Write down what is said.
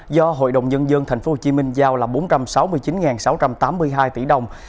do hội đồng nhân dân tp hcm giao là bốn trăm sáu mươi chín sáu trăm tám mươi hai tỷ đồng